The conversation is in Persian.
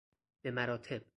به مراتب